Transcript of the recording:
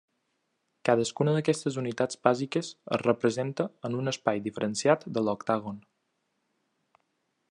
Cadascuna d'aquestes unitats bàsiques es representa en un espai diferenciat de l'octàgon.